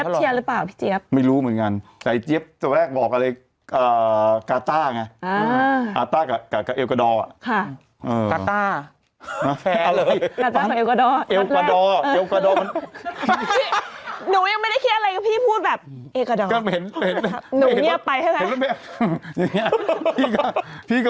๓๐กว่านาทีไม่ได้แพ้กับเมื่อคืนแพ้เนี่ย